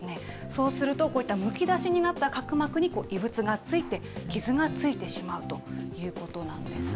そうすると、こういったむき出しになった角膜に異物がついて、傷がついてしまうということなんです。